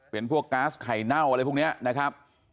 เป็นพวกก๊าซไข่เน่าอะไรพวกนี้นะครับ